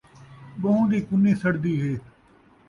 ٻہوں دی کُنی سڑدی ہے